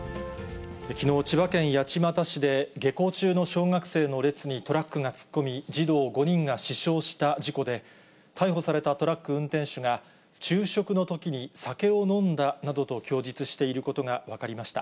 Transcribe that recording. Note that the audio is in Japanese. きのう、千葉県八街市で、下校中の小学生の列にトラックが突っ込み、児童５人が死傷した事故で、逮捕されたトラック運転手が、昼食のときに酒を飲んだなどと供述していることが分かりました。